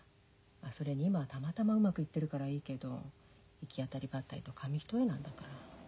それに今はたまたまうまくいってるからいいけど行き当たりばったりと紙一重なんだから。